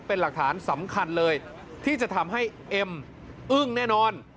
เป็นหลักฐานสำคัญเลยที่จะทำให้เอ็มอึ้งแน่นอน